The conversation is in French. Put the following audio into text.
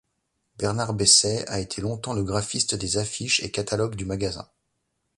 Bernard Baissait a été longtemps le graphiste des affiches et catalogues du Magasin.